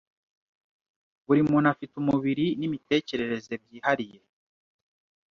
Buri muntu afite umubiri n'imitekerereze byihariye,